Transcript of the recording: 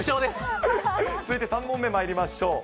続いて３問目まいりましょう。